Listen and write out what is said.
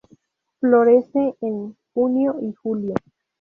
Florece en junio y julio.